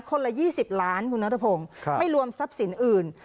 ละ๒๐ล้านคุณนัทพงศ์ไม่รวมทรัพย์สินอื่น